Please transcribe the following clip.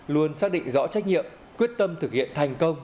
luôn xác định rõ trách nhiệm quyết tâm thực hiện thành công